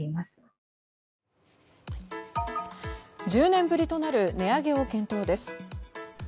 １０年ぶりとなる値上げを検討です。